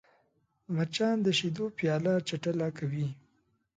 مچان د شیدو پیاله چټله کوي